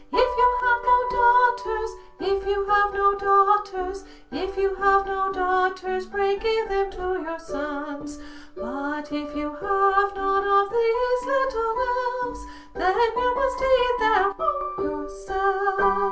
If you have no daughters, If you have no daughters, If you have no daughters, Pray give them to your sons; But if you have none of these little elves, Then you must eat them all yourselves.